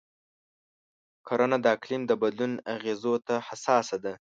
کرنه د اقلیم د بدلون اغېزو ته حساسه ده.